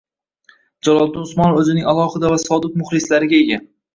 Jaloliddin Usmonov oʻzining alohida va sodiq muxlislariga ega.